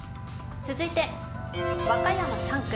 続いて、和歌山３区。